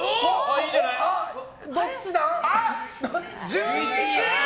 １１！